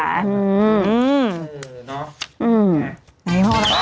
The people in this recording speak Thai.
อืมน้อยห้องแล้วค่ะอืม